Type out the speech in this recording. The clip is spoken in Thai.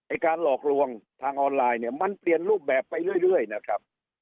การหลอกลวงทางออนไลน์เนี่ยมันเปลี่ยนรูปแบบไปเรื่อยนะครับ